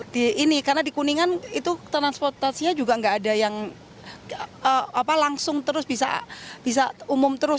di ini karena di kuningan itu transportasinya juga nggak ada yang langsung terus bisa umum terus